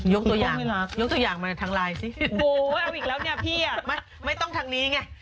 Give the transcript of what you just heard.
ยกตัวอย่างมาทางไลน์สิโอ้โหเอาอีกแล้วเนี่ยพี่อ่ะไม่ต้องทางนี้ไง